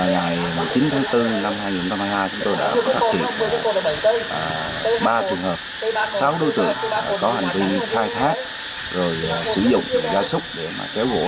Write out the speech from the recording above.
ngày chín bốn hai nghìn hai mươi hai chúng tôi đã phát triển ba trường hợp sáu đối tượng có hành vi khai thác rồi sử dụng gia súc để kéo gỗ